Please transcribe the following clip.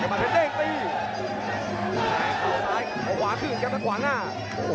ข้างขาวซ้ายข้างขวาขึ้นกับขวางหน้า